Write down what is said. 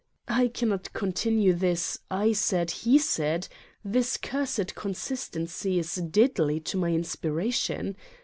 I cannot continue this: "I said," "he said," This cursed consistency is deadly to my inspiration.